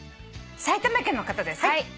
埼玉県の方です。